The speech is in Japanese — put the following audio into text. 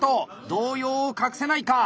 動揺を隠せないか。